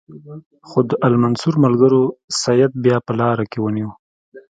خو د المنصور ملګرو سید بیا په لاره کې ونیو.